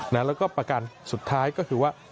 แล้วก็ประการสุดท้ายก็คือว่า